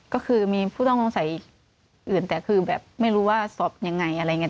ก็คือมีผู้ต้องสงสัยอื่นแต่คือแบบไม่รู้ว่าสอบยังไงอะไรอย่างนี้